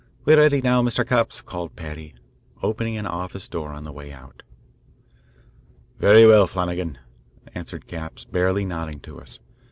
"We're ready now, Mr. Capps," called Paddy, opening an office door on the way out. "Very well, Flanagan," answered Capps, barely nodding to us.